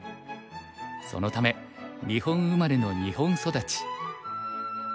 そのため日本生まれの日本育ち。